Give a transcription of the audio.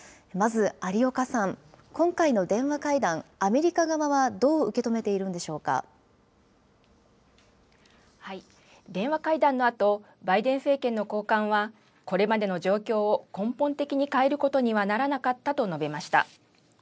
まず有岡さん、今回の電話会談、アメリカ側はどう受け止めている電話会談のあと、バイデン政権の高官はこれまでの状況を根本的に変えることにはならなかったと述べました。